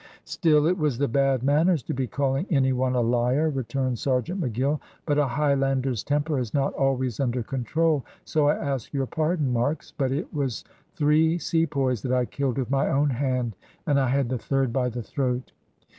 "Still, it was the bad manners to be calling any one a liar," returned Sergeant McGill. "But a Highlander's temper is not always under control. So I ask your pardon, Marks, but it was three Sepoys that I killed with my own hand, and I had the third by the throat."